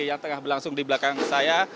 yang tengah berlangsung di belakang saya